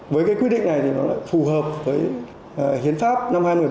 với cái quy định này thì nó lại phù hợp với hiến pháp năm hai nghìn một mươi ba